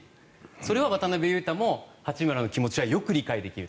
それを渡邊雄太も八村の気持ちはよく理解できると。